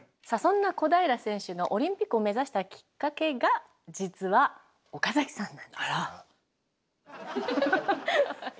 さあそんな小平選手のオリンピックを目指したきっかけが実は岡崎さんなんです。